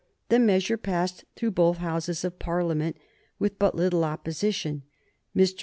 The measure passed through both Houses of Parliament with but little opposition. Mr.